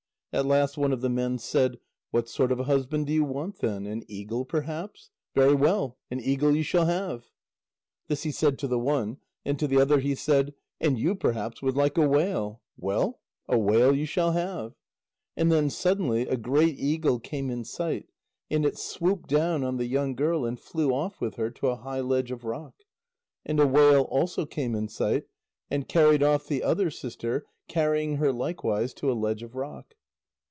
At last one of the men said: "What sort of a husband do you want, then? An eagle, perhaps? Very well, an eagle you shall have." This he said to the one. And to the other he said: "And you perhaps would like a whale? Well, a whale you shall have." And then suddenly a great eagle came in sight, and it swooped down on the young girl and flew off with her to a high ledge of rock. And a whale also came in sight, and carried off the other sister, carrying her likewise to a ledge of rock.